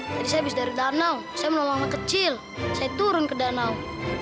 tadi saya habis dari danau saya menolong anak kecil saya turun ke danau